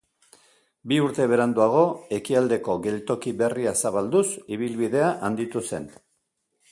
Bi urte beranduago Ekialdeko Geltoki berria zabalduz ibilbidea handitu zen.